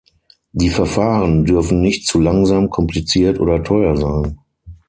Die Verfahren dürfen nicht zu langsam, kompliziert oder teuer sein.